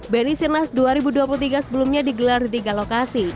bni sirnas dua ribu dua puluh tiga sebelumnya digelar di tiga lokasi